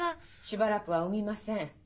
「しばらくは産みません」。